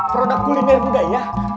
produk kuliner budaya